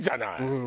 うん。